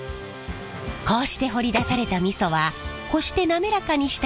こうして掘り出された味噌はこして滑らかにした